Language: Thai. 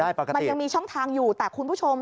มันยังมีช่องทางอยู่แต่คุณผู้ชม